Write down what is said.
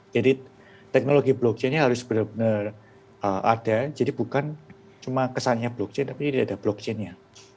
jadi teknologi blockchain nya harus benar benar ada jadi bukan cuma kesannya blockchain tapi tidak ada blockchain nya